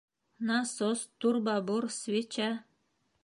— Насос, турбобур, свеча...